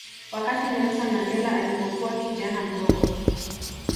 Wakati Nelson Mandela alipokuwa kijana mdogo